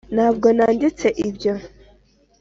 ntabwo nanditse ibyo